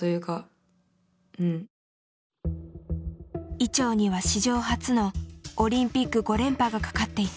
伊調には史上初のオリンピック５連覇がかかっていた。